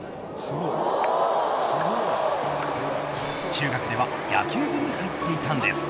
中学では野球部に入っていたんです。